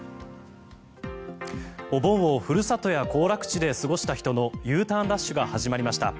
お盆をふるさとや行楽地で過ごした人のＵターンラッシュが始まりました。